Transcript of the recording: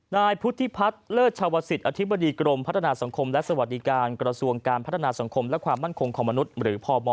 นายพุทธิพัฒน์เลิศชาวศิษย์อธิบดีกรมพัฒนาสังคมและสวัสดิการกระทรวงการพัฒนาสังคมและความมั่นคงของมนุษย์หรือพม